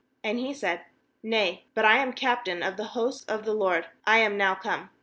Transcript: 14And he said: 'Nay, but I am captain of the host of the LOED; I am now come.